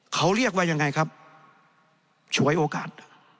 เขาเรียกว่ายังไงครับฉวยโอกาส